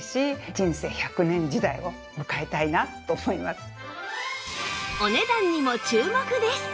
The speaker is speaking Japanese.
さらにお値段にも注目です